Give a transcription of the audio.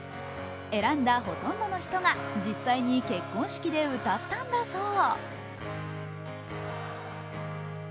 選んだほとんどの人が実際に結婚式で歌ったんだそう。